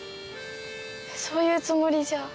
そういうつもりじゃ。